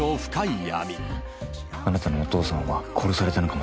「あなたのお父さんは殺されたのかもしれません」